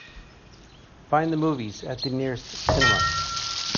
Find the movies at the nearest cinema.